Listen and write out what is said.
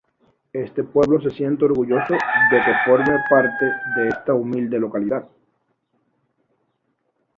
Este pueblo se siente orgulloso de que forme parte de esta humilde localidad.